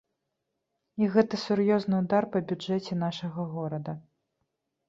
І гэта сур'ёзны ўдар па бюджэце нашага горада.